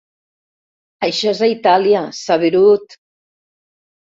Això és a Itàlia, saberut!